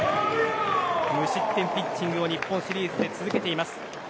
無失点ピッチングを日本シリーズで続けています。